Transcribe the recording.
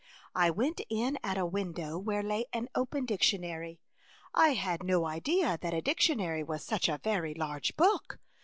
'' I went in at a window where lay an open dictionary. — I had no idea that a dictionary was such a very large book.